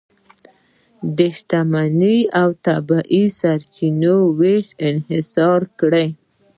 د شتمنۍ او طبیعي سرچینو وېش انحصار کړي.